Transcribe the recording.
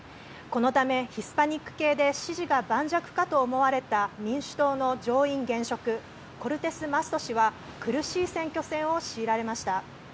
このためヒスパニック系で支持が盤石かと思われた民主党の上院現職、コルテスマスト氏は苦しい選挙戦を強いられました。